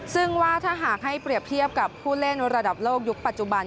ซึ่งว่าถ้าหากให้เปรียบเทียบกับผู้เล่นระดับโลกยุคปัจจุบัน